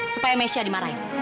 supaya mesya dimarahin